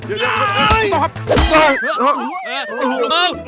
อย่าอุ๊ยคุณต้องภาพ